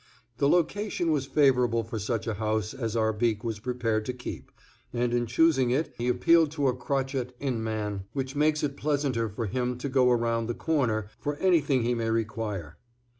The location was favorable for such a house as Arbique was prepared to keep, and in choosing it he appealed to a crotchet in man which makes it pleasanter for him to go around the corner for anything he may require.